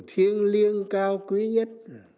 thiêng liêng cao quý nhất